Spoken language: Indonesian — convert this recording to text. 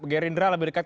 gerindra lebih dekat